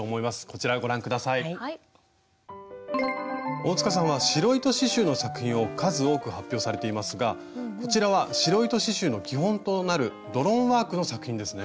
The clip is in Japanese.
大さんは白糸刺しゅうの作品を数多く発表されていますがこちらは白糸刺しゅうの基本となる「ドロンワーク」の作品ですね。